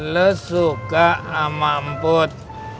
lo suka sama emput